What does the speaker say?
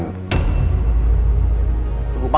dan keisha bukan